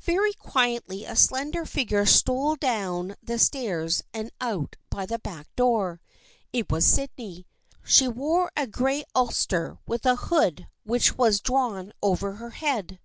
Very quietly a slender figure stole down the stairs and out by the back door. It was Sydney. She wore a gray ulster with a hood which was drawn over her head.